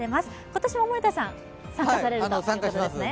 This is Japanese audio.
今年も森田さん、参加されるということですね？